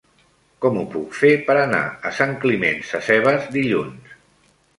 Com ho puc fer per anar a Sant Climent Sescebes dilluns?